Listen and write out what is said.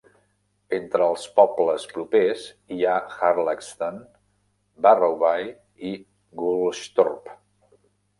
Entre els pobles propers hi ha Harlaxton, Barrowby i Woolsthorpe.